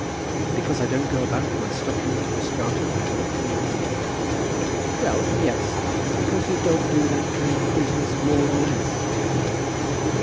"Because I don't go about with my stockings cross gartered, and do that kind of business?" "Well, yes; because you don't do that kind of business, more or less."